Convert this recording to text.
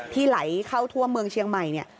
ไหลเข้าทั่วเมืองเชียงใหม่เนี่ย